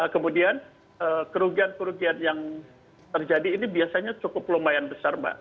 kemudian kerugian kerugian yang terjadi ini biasanya cukup lumayan besar mbak